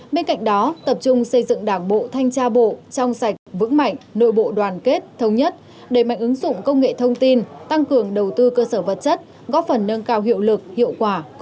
bên cạnh đó tập trung xây dựng đảng bộ thanh tra bộ trong sạch vững mạnh nội bộ đoàn kết thống nhất đẩy mạnh ứng dụng công nghệ thông tin tăng cường đầu tư cơ sở vật chất góp phần nâng cao hiệu lực hiệu quả